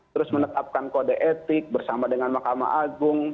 terus menetapkan kode etik bersama dengan mahkamah agung